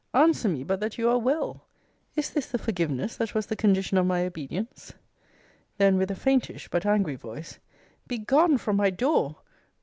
Answer me but that you are well! Is this the forgiveness that was the condition of my obedience? Then, with a faintish, but angry voice, begone from my door!